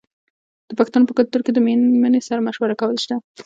د پښتنو په کلتور کې د میرمنې سره مشوره کول شته.